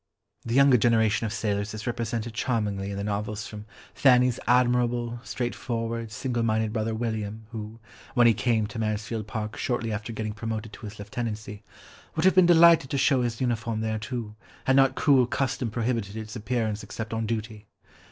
The younger generation of sailors is represented charmingly in the novels from Fanny's admirable, straightforward, single minded brother William, who, when he came to Mansfield Park shortly after getting promoted to his lieutenancy, "would have been delighted to show his uniform there too, had not cruel custom prohibited its appearance except on duty.